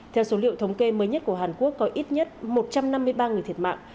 theo số liệu thống kê mới nhất của hàn quốc có ít nhất một trăm năm mươi ba người thiệt mạng